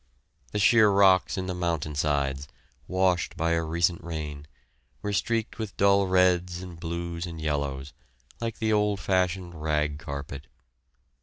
The sheer rocks in the mountain sides, washed by a recent rain, were streaked with dull reds and blues and yellows, like the old fashioned rag carpet.